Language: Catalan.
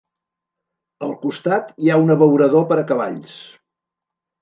Al costat hi ha un abeurador per a cavalls.